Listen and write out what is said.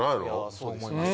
そう思います。